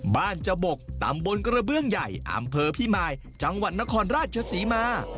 จบกตำบลกระเบื้องใหญ่อำเภอพิมายจังหวัดนครราชศรีมา